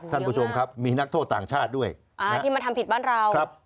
ท่านผู้ชมครับมีนักโทษต่างชาติด้วยอ่าที่มาทำผิดบ้านเราครับ